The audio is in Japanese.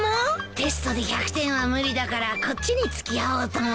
テストで１００点は無理だからこっちに付き合おうと思って。